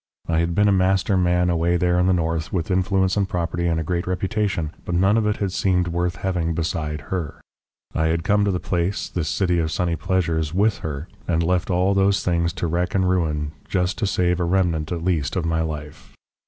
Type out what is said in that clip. I had been a master man away there in the north, with influence and property and a great reputation, but none of it had seemed worth having beside her. I had come to the place, this city of sunny pleasures, with her, and left all those things to wreck and ruin just to save a remnant at least of my life.